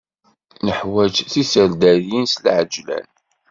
Neḥwaǧ tiseddaryin s lεeǧlan.